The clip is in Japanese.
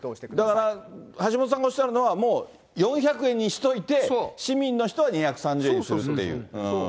だから、橋下さんがおっしゃるのは、もう４００円にしといて、市民の人は２３０円にするっていう。